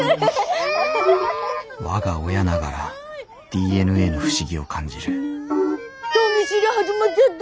我が親ながらＤＮＡの不思議を感じる人見知り始まっちゃった？